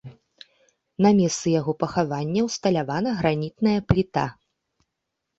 На месцы яго пахавання ўсталявана гранітная пліта.